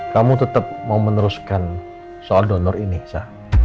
kamu tetap mau meneruskan soal donor ini sah